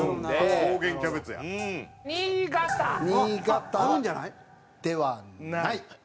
ではない！